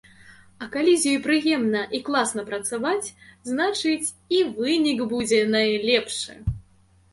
А калі з ёй прыемна і класна працаваць, значыць, і вынік будзе найлепшы.